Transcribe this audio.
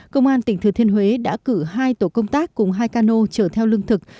công an tỉnh thừa thiên huế đã cử hai tổ công tác cùng hai cano chở theo lương thực